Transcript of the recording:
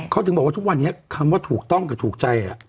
เขาถึงบอกว่าทุกวันนี้คำว่าถูกต้องกับถูกใจ